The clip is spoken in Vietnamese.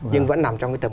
nhưng vẫn nằm trong tầm